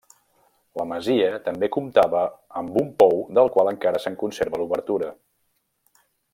La masia també comptava amb un pou del qual encara se'n conserva l'obertura.